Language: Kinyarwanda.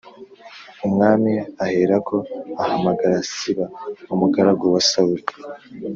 Umwami aherako ahamagara Siba umugaragu wa Sawuli